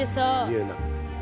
言うな。